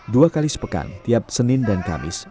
dua kali sepekan tiap senin dan kamis